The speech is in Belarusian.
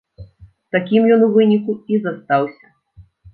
Такім ён у выніку і застаўся.